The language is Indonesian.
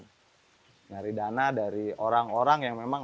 mencari dana dari orang orang yang memang